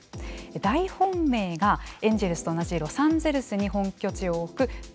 大本命がエンジェルスと同じロサンゼルスに本拠地を置く強豪ドジャース。